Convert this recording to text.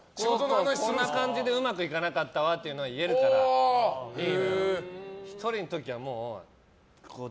こんな感じでうまくいかなかったわって言えるからいい。